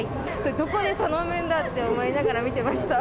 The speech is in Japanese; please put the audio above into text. どこで頼むんだって思いながら、見てました。